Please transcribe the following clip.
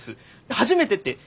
「初めて」って。